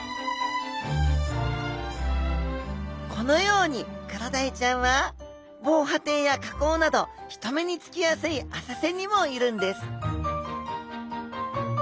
このようにクロダイちゃんは防波堤や河口など人目につきやすい浅瀬にもいるんです